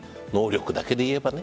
能力だけでいえば。